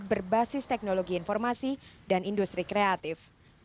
berbasis teknologi informasi dan industri kreatif